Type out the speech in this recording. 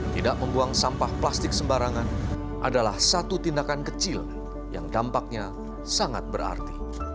tidak membuang sampah plastik sembarangan adalah satu tindakan kecil yang dampaknya sangat berarti